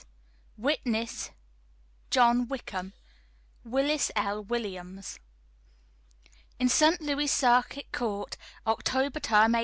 ] "Witness: JOHN WICKHAM, "WILLIS L. WILLIAMS." _In St. Louis Circuit Court, October Term, 1855.